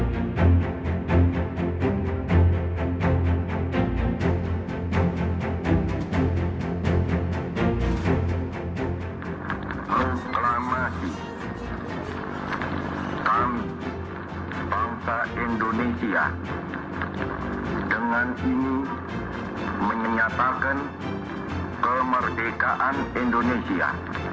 proklamasi kami bangsa indonesia dengan ini menyatakan kemerdekaan indonesia